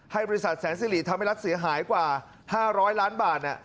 บริษัทแสนสิริทำให้รัฐเสียหายกว่า๕๐๐ล้านบาท